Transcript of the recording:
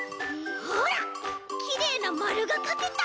ほらきれいなまるがかけた！